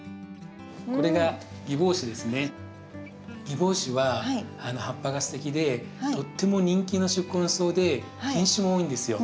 ギボウシは葉っぱがすてきでとっても人気の宿根草で品種も多いんですよ。